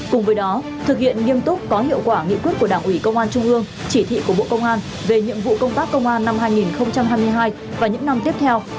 cùng với đó thực hiện nghiêm túc có hiệu quả nghị quyết của đảng ủy công an trung ương chỉ thị của bộ công an về nhiệm vụ công tác công an năm hai nghìn hai mươi hai và những năm tiếp theo